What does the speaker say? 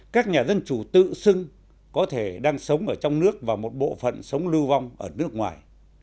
các nhà dân chủ tự xưng có thể đang sống ở trong nước và một bộ phận sống lưu vong ở nước ngoài